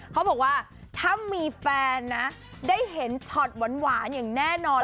เขาบอกว่าถ้ามีแฟนนะได้เห็นช็อตหวานอย่างแน่นอน